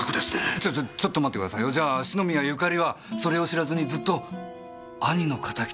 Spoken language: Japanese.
ちょちょちょっと待ってくださいよじゃあ篠宮ゆかりはそれを知らずにずっと兄の敵と内縁関係に。